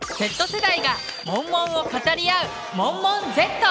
Ｚ世代がモンモンを語り合う「モンモンＺ」。